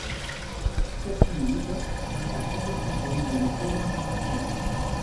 Kathleen Witters a fait plusieurs podiums dans des tournois internationaux.